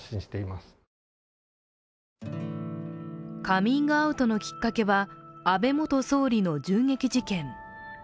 カミングアウトのきっかけは安倍元総理の銃撃事件。